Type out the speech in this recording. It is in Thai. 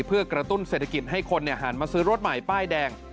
เพื่อกระตุ้นเศรษฐกิจให้คนหันมาซื้อรถใหม่ป้ายแดง